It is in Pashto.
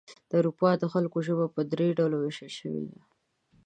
د اروپا د خلکو ژبه په دریو ډلو ویشل شوې ده.